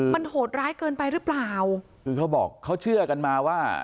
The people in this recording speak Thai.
มันโหดร้ายเกินไปหรือเปล่าคือเขาบอกเขาเชื่อกันมาว่า